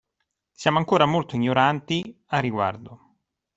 Siamo ancora molto ignoranti a riguardo.